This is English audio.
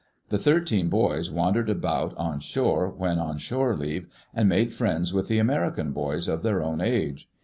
The thirteen boys wandered about on shore when on shore leave, and made friends with the American boys of their own age.